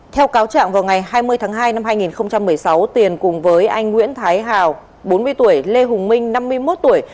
theo cáo trạng vào ngày hai mươi tháng hai năm hai nghìn một mươi sáu tiền cùng với anh nguyễn thái hào bốn mươi tuổi lê hùng minh năm mươi một tuổi